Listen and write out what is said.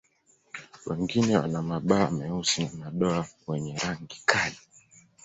Wengine wana mabawa meusi na madoa wenye rangi kali.